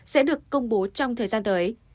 sẽ được công bố trong thời gian tới